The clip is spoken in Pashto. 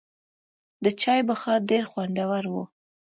د چای بخار ډېر خوندور و.